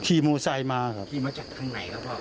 ขี่มูลใส่มาครับขี่มาจากทางไหนครับพ่อ